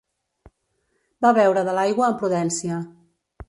Va beure de l'aigua amb prudència.